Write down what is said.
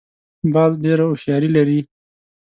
باز ډېره هوښیاري لري